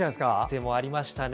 とてもありましたね。